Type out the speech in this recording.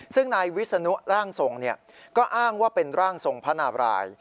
ซึ่งนายวิศนุร่างทรงก็อ้างว่าเป็นร่างทรงพระนาบราย